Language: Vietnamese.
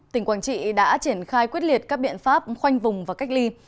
tỉnh quảng trị đã triển khai quyết liệt các biện pháp khoanh vùng và cách ly